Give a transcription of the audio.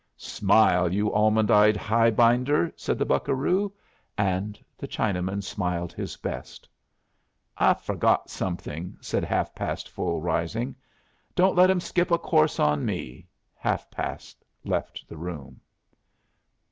"Smile, you almond eyed highbinder," said the buccaroo. And the Chinaman smiled his best. "I've forgot something," said Half past Full, rising. "Don't let 'em skip a course on me." Half past left the room.